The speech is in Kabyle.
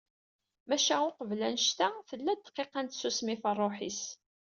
Maca uqbel annect-a, tella-d ddqiqa n tsusmi ɣef rruḥ-is.